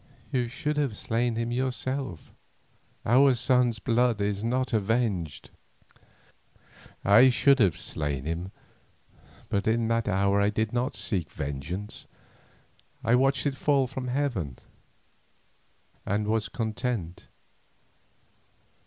"You should have slain him yourself; our son's blood is not avenged." "I should have slain him, but in that hour I did not seek vengeance, I watched it fall from heaven, and was content.